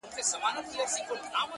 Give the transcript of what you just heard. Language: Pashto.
ملت ړوند دی د نجات لوری یې ورک دی-